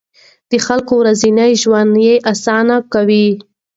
د خلکو ورځنی ژوند يې اسانه کاوه.